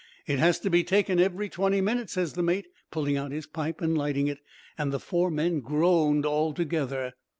"'It has to be taken every twenty minutes,' ses the mate, pulling out his pipe and lighting it; an' the four men groaned all together.